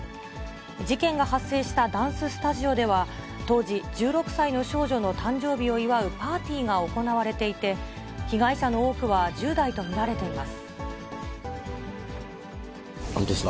事件が発生したダンススタジオでは、当時、１６歳の少女の誕生日を祝うパーティーが行われていて、被害者の多くは１０代と見られています。